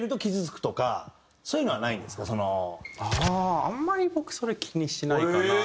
あああんまり僕それ気にしないかな。